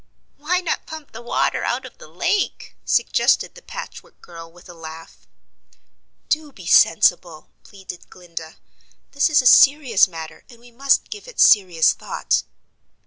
"Why not pump the water out of the lake?" suggested the Patchwork Girl with a laugh. "Do be sensible!" pleaded Glinda. "This is a serious matter, and we must give it serious thought."